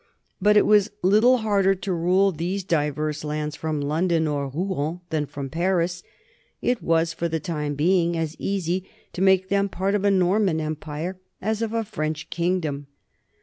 But it was little harder to rule these diverse lands from London or Rouen than from Paris; it was for the time being as easy to make them part of a Norman empire as of a French kingdom.